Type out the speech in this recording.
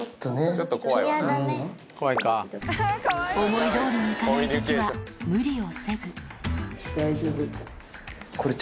思いどおりに行かない時は無理をせずこれ。